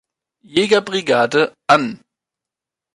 Jägerbrigade an.